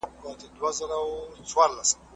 چي د بڼو پر څوکه ژوند کي دي پخلا ووینم